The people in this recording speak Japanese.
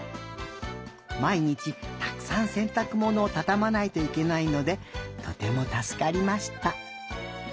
まいにちたくさんせんたくものをたたまないといけないのでとてもたすかりました。